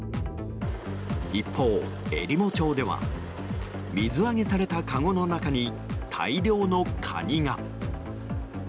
一方、えりも町では水揚げされたかごの中に大量のカニが。